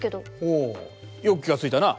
およく気が付いたな。